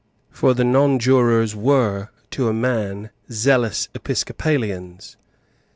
For the nonjurors were, to a man, zealous Episcopalians.